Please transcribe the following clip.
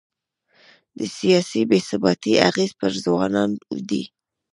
د سیاسي بې ثباتۍ اغېز پر ځوانانو دی.